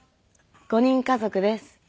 ５人家族です。